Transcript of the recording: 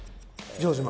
城島。